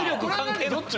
どっち？